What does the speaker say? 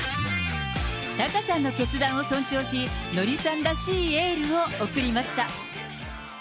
タカさんの決断を尊重し、ノリさんらしいエールを送りました。